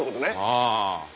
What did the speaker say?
あぁ。